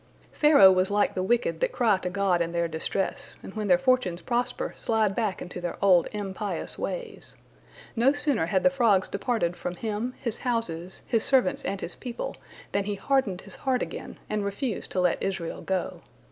Pharaoh was like the wicked that cry to God in their distress, and when their fortunes prosper slide back into their old, impious ways. No sooner had the frogs departed from him, his houses, his servants, and his people, than he hardened his heart again, and refused to let Israel go.